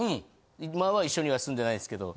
今は一緒には住んでないですけど。